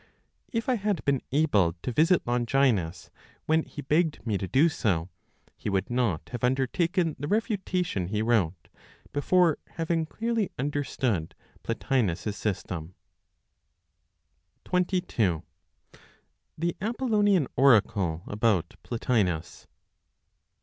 If I had been able to visit Longinus when he begged me to do so, he would not have undertaken the refutation he wrote, before having clearly understood Plotinos's system. XXII. THE APOLLONIAN ORACLE ABOUT PLOTINOS.